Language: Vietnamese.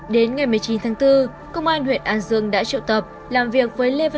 đến ngày một mươi chín tháng bốn công an huyện an dương đã triệu tập